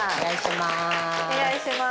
お願いします。